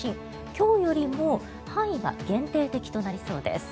今日より範囲が限定的となりそうです。